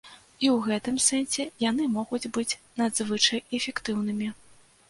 І ў гэтым сэнсе яны могуць быць надзвычай эфектыўнымі.